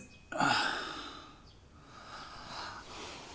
ああ。